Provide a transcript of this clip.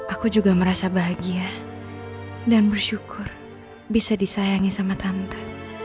aku juga merasa bahagia dan bersyukur bisa disayangi sama tante